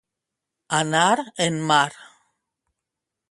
Anar en mar.